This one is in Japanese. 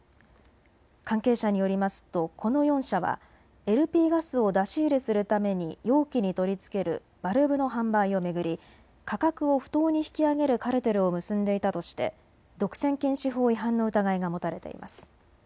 関係者によりますとこの４社はＬＰガスを出し入れするために容器に取り付けるバルブの販売を巡り価格を不当に引き上げるカルテルを結んでいたとして独占禁止法違反の疑いが持たれています。